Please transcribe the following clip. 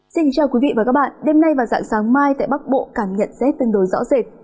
xin kính chào quý vị và các bạn đêm nay và dạng sáng mai tại bắc bộ cảm nhận rét tương đối rõ rệt